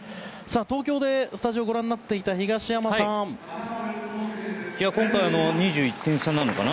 東京のスタジオで試合をご覧になっていた今回、２１点差なのかな。